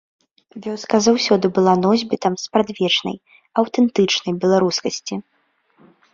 Вёска заўсёды была носьбітам спрадвечнай, аўтэнтычнай беларускасці.